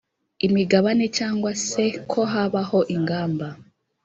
imigabane cyangwa se ko habaho ingamba